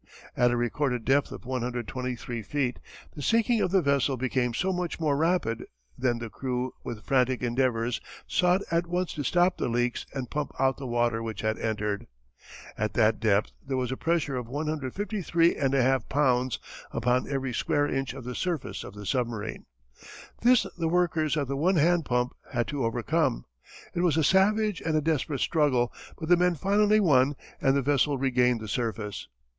At a recorded depth of 123 feet the sinking of the vessel became so much more rapid that the crew with frantic endeavours sought at once to stop the leaks and pump out the water which had entered. At that depth there was a pressure of 153 1/2 pounds upon every square inch of the surface of the submarine. This the workers at the one hand pump had to overcome. It was a savage and a desperate struggle but the men finally won and the vessel regained the surface.